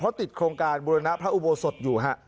เพราะติดโครงการบุรณะพระอุโบสถอยู่ฮะ